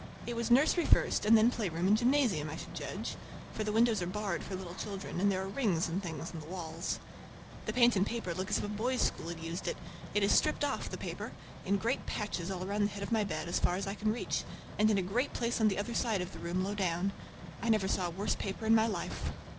It was nursery first and then playground and gymnasium, I should judge; for the windows are barred for little children, and there are rings and things in the walls. The paint and paper look as if a boys' school had used it. It is stripped off—the paper—in great patches all around the head of my bed, about as far as I can reach, and in a great place on the other side of the room low down. I never saw a worse paper in my life.